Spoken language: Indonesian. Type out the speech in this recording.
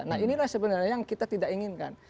nah inilah sebenarnya yang kita tidak inginkan